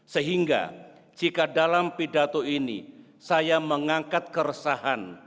sehingga jika dalam pidato ini saya mengangkat keresahan